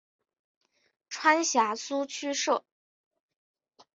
川陕苏区设。